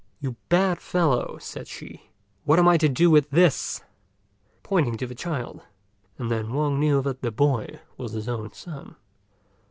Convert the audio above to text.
"You bad fellow," said she, "what am I to do with this?" pointing to the child; and then Wang knew that the boy was his own son.